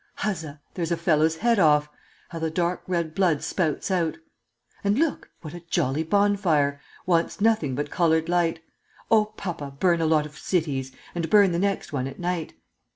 Huzza! there's a fellow's head off, How the dark red blood spouts out! And look, what a jolly bonfire! Wants nothing but colored light! Oh, papa, burn a lot of cities, And burn the next one at night!'